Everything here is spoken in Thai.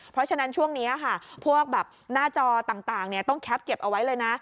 เพราะฉะนั้นช่วงนี้ค่ะพวกแบบหน้าจอต่างต้องแคปเก็บเอาไว้เลยนะ